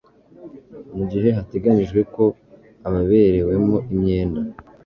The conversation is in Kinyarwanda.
mu gihe hateganijwe ko ababerewemo imyenda